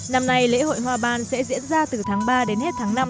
năm nay lễ hội hoa ban sẽ diễn ra từ tháng ba đến hết tháng năm năm hai nghìn một mươi chín